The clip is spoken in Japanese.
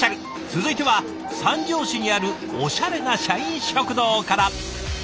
続いては三条市にあるおしゃれな社員食堂から。